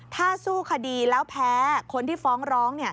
ถ้าสู้คดีแล้วแพ้คนที่ฟ้องร้อง